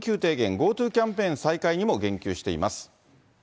ＧｏＴｏキャンペーン再開にも言及しています。